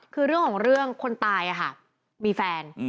คือเรื่องของเรื่องคนตายมีแฟน